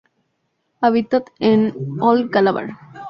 Habita en Old Calabar.